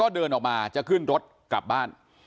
เดินออกมาจะขึ้นรถกลับบ้าน